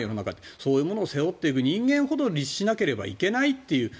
そういうものを背負っていく人間ほど律しなくてはならない。